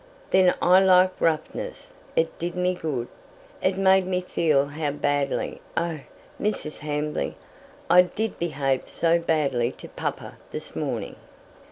"Then I like roughness. It did me good. It made me feel how badly oh, Mrs. Hamley, I did behave so badly to papa this morning!"